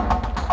aku kasih tau